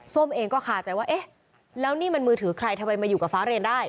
เองก็คาใจว่าเอ๊ะแล้วนี่มันมือถือใครทำไมมาอยู่กับฟ้าเรนได้